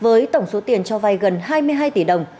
với tổng số tiền cho vay gần hai mươi hai tỷ đồng